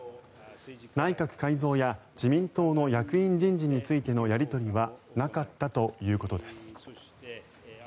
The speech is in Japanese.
内閣改造や自民党の役員人事についてのやり取りはなかったということです。